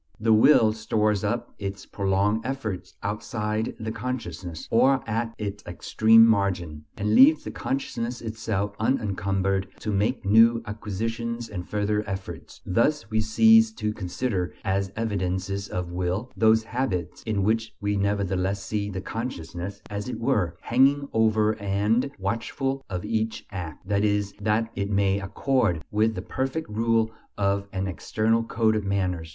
The will stores up its prolonged efforts outside the consciousness, or at its extreme margin, and leaves the consciousness itself unencumbered to make new acquisitions and further efforts. Thus we cease to consider as evidences of will those habits in which we nevertheless see the consciousness, as it were, hanging over and watchful of each act, that it may accord with the perfect rule of an external code of manners.